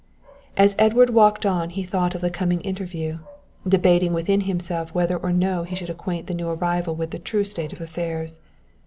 As Edward walked on he thought of the coming interview, debating within himself whether or no he should acquaint the new arrival with the true state of affairs.